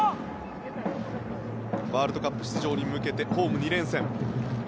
ワールドカップ出場に向けてホーム２連戦。